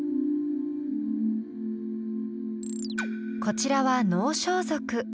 こちらは能装束。